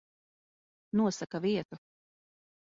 Nosaka vietu.